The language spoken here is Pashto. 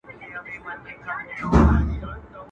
ما به څنګه څوک پیدا کي زما زګېروی به څنګه اوري.